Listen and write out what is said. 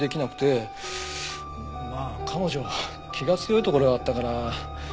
まあ彼女は気が強いところがあったから。